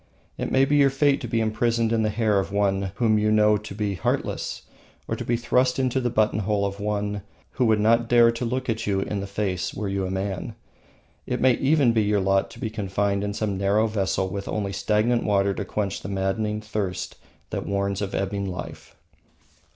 It may be your fate to be imprisoned in the hair of one whom you know to be heartless or to be thrust into the buttonhole of one who would not dare to look you in the face were you a man. It may even be your lot to be confined in some narrow vessel with only stagnant water to quench the maddening thirst that warns of ebbing life.